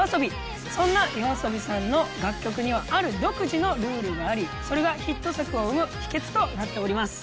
そんなＹＯＡＳＯＢＩさんの楽曲にはある独自のルールがありそれがヒット作を生む秘訣となっております。